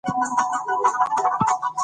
دوی وویل چې موږ له دې ځایه کډه کوو.